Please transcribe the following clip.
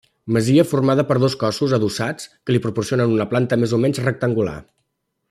Masia formada per dos cossos adossats que li proporcionen una planta més o menys rectangular.